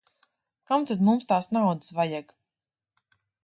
Kam tad mums tās naudas vajag.